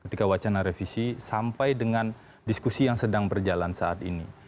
ketika wacana revisi sampai dengan diskusi yang sedang berjalan saat ini